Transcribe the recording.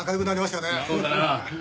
そうだなあ